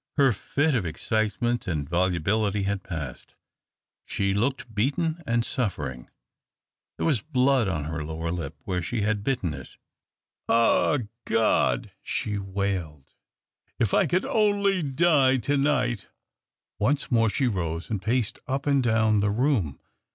Her fit of excitement and volubility had passed ; she looked beaten and suff'ering. There was blood on her lower lip, where she had bitten it. THE OCTAVE OF CLAUDIUS. 251 " Ah, God 1 " she wailed, " if I could only die to night !" Once more she rose, and paced up and down the room.